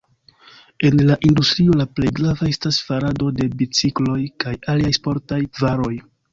En la industrio la plej grava estas farado de bicikloj kaj aliaj sportaj varoj.